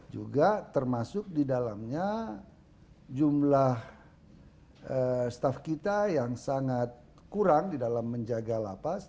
juga termasuk didalamnya jumlah staff kita yang sangat kurang didalam menjaga lapas